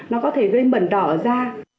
nó có thể gây mẩn đỏ ở da